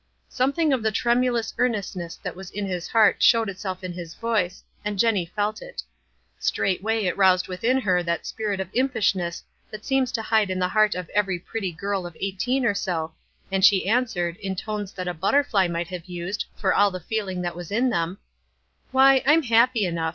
Something of the tremulous earnestness that was in his heart showed itself in his voice, and Jenny felt it. Straightway it roused within her that spirit of impishness that seems to hide in the heart of every pretty girl of eighteen or so, and she answered, in tones that a butterfly might have used, for all the feeling that was in them,— "Why, I'm happy enough.